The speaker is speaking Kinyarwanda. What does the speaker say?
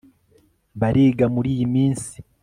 Bariga muriyi minsi